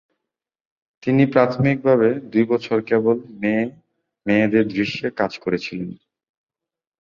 তিনি প্রাথমিকভাবে দুই বছর কেবল মেয়ে-মেয়েদের দৃশ্যে কাজ করেছিলেন।